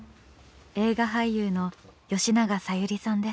映画俳優の吉永小百合さんです。